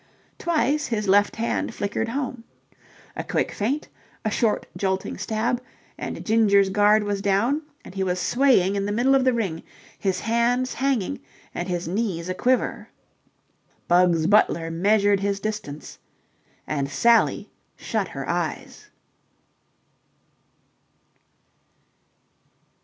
Twice his left hand flickered home. A quick feint, a short, jolting stab, and Ginger's guard was down and he was swaying in the middle of the ring, his hands hanging and his knees a quiver. Bugs Butler measured his distance, and Sally shut her eyes.